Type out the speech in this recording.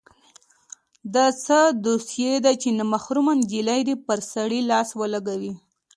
دا څه دوسي ده چې نامحرمه نجلۍ دې پر سړي لاس ولګوي.